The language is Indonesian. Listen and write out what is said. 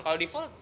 kalau di vote